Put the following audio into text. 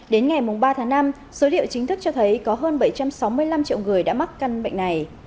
đến ngày ba tháng năm số liệu chính thức cho thấy có hơn bảy trăm sáu mươi năm triệu người đã mắc căn bệnh này